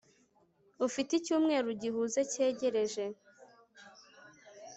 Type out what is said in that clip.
ufite icyumweru gihuze cyegereje